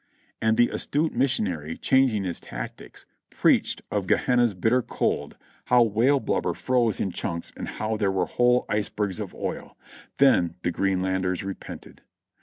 And the astute missionary, changing his tactics, preached of Gehenna's bitter cold, how whale blubber froze in chunks and how there were whole ice bergs of oil ; then the Greenlanders repented.